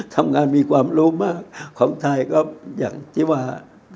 ทำงานมีความรู้มากของใจก็อย่างจิวา